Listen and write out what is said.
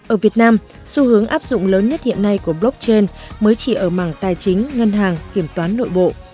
ở việt nam xu hướng áp dụng lớn nhất hiện nay của blockchain mới chỉ ở mảng tài chính ngân hàng kiểm toán nội bộ